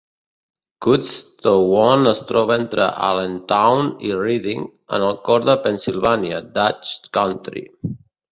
Kutztwon es troba entre Allentown i Reading, en el cor de Pennsylvania Dutch Country.